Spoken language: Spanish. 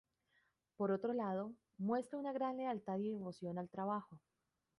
Por otro lado, muestra una gran lealtad y devoción al trabajo.